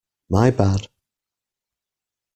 My bad!